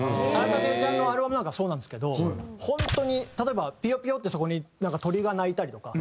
文武ちゃんのアルバムなんかはそうなんですけど本当に例えばピヨピヨってそこに鳥が鳴いたりとか。